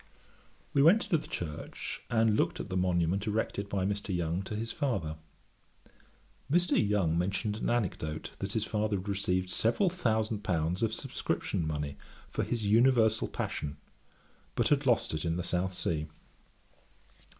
We went into the church, and looked at the monument erected by Mr. Young to his father. Mr. Young mentioned an anecdote, that his father had received several thousand pounds of subscription money for his Universal Passion, but had lost it in the South Sea. Dr.